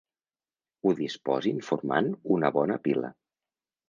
Ho disposin formant una bona pila.